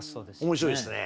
面白いですね。